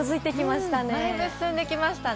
だいぶ紅葉が進んできましたね。